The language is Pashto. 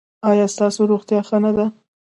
ایا ستاسو روغتیا ښه نه ده؟